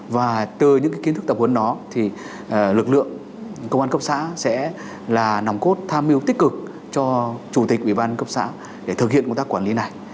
và từ những kiến thức tập huấn đó thì lực lượng công an cấp xã sẽ là nòng cốt tham mưu tích cực cho chủ tịch ủy ban cấp xã để thực hiện công tác quản lý này